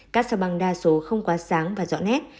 các sao băng đa số không quá sáng và rõ nét